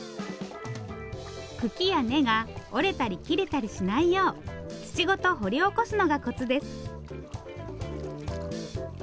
茎や根が折れたり切れたりしないよう土ごと掘り起こすのがコツです。